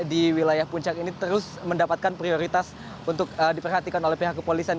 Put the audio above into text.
di wilayah puncak ini terus mendapatkan prioritas untuk diperhatikan oleh pihak kepolisian